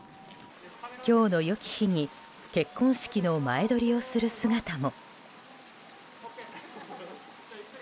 今日の良き日に結婚式の前撮りをする姿も。